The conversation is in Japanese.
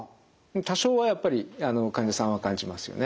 多少はやっぱり患者さんは感じますよね。